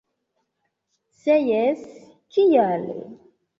Se jes, kial?